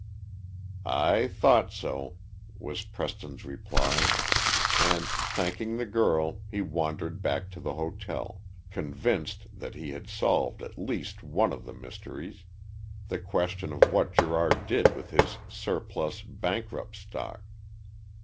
"I thought so," was Preston's reply, and, thanking the girl, he wandered back to the hotel convinced that he had solved at least one of the mysteries, the question of what Gerard did with his surplus "bankrupt stock."